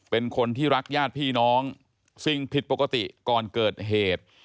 เป็นคนที่รักญาติพี่น้องสิ่งผิดปกติก่อนเกิดเหตุ